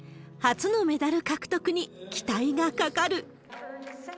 初のメダル獲得に期待がかかる。